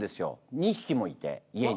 ２匹もいて家に。